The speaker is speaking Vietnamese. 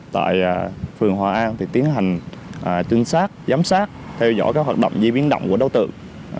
tại phường hòa an thì tiến hành trinh sát giám sát theo dõi các hoạt động di biến động của đối tượng